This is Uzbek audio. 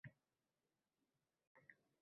Bu erda yana biroz qolaman